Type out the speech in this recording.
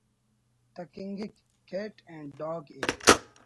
تکنگک Kate and dog ءِ